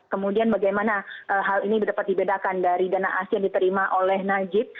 kemudian bagaimana hal ini dapat dibedakan dari dana asing yang diterima oleh najib